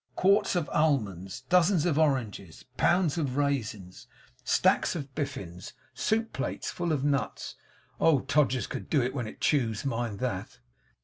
Quarts of almonds; dozens of oranges; pounds of raisins; stacks of biffins; soup plates full of nuts. Oh, Todgers's could do it when it chose! mind that.